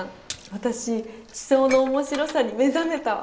私地層の面白さに目覚めたわ。